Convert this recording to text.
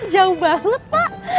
jauh banget pak